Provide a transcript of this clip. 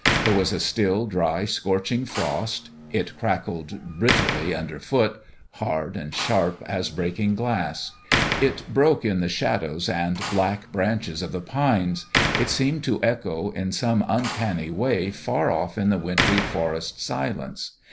There was a still, dry, scorching frost. It crackled brittlely underfoot hard and sharp as breaking glass. It broke in the shadows and black branches of the pines ; it seemed to echo in some uncanny way far off in the wintry forest silence.